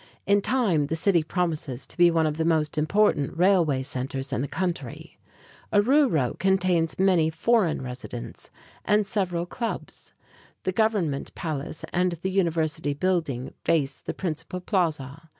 In time the city promises to be one of the most important railway centers in the country. Oruro contains many foreign residents, and several clubs. The government palace and the university building face the principal plaza.